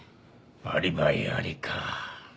アリバイありか。